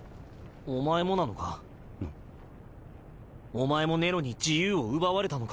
お前もネロに自由を奪われたのか？